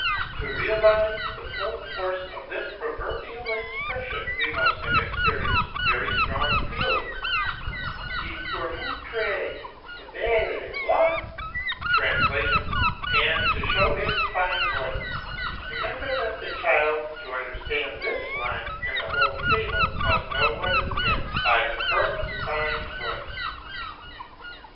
To realise the full force of this proverbial expression we must have experienced very strong feeling. "Et, pour montrer sa belle voix" (And, to show his fine voice). Remember that the child, to understand this line and the whole fable, must know what is meant by the crow's fine voice.